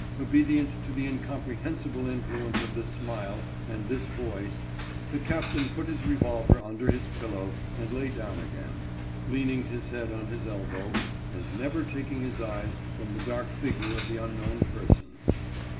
Obedient to the incomprehensible influence of this smile and this voice, the captain put his revolver under his pillow and lay down again, leaning his head on his elbow, and never taking his eyes from the dark figure of the unknown person.